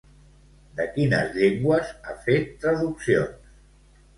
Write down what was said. De quines llengües ha fet traduccions?